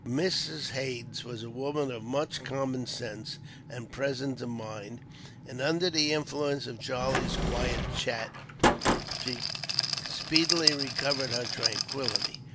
Mrs. Haines was a woman of much common sense and presence of mind; and, under the influence of Charlie's quiet chat, she speedily recovered her tranquillity.